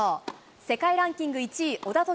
世界ランキング１位、小田凱